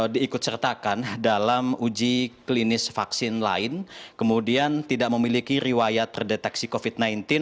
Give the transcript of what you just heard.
diikut sertakan dalam uji klinis vaksin lain kemudian tidak memiliki riwayat terdeteksi covid sembilan belas